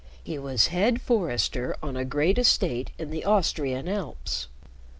He was head forester on a great estate in the Austrian Alps.